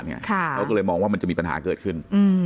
เขาก็เลยมองว่ามันจะมีปัญหาเกิดขึ้น